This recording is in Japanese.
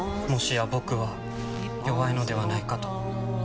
もしや僕は弱いのではないかと。